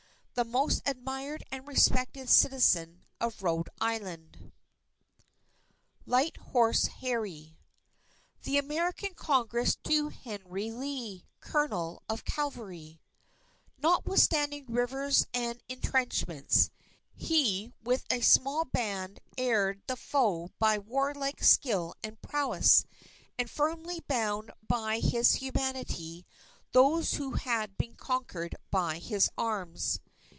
the most admired and respected citizen of Rhode Island." LIGHT HORSE HARRY The American Congress to Henry Lee, Colonel of Cavalry: "_Notwithstanding rivers and intrenchments, he with a small band ered the foe by warlike skill and prowess, and firmly bound by his humanity, those who had been conquered by his arms.